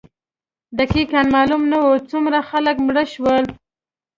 دقیقا معلوم نه وو څومره خلک مړه شول.